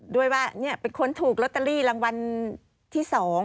ด้วยว่าเป็นคนถูกลอตเตอรี่รางวัลที่๒